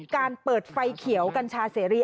การเปิดไฟเขียวกัญชาเสรี